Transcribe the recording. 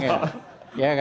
ada sponsor di belakang ya